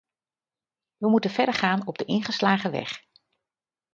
We moeten verdergaan op de ingeslagen weg.